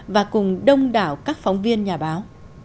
và cùng đông đảo các phóng viên nhà báo